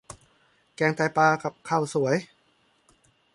แกงไตปลากับข้าวสวย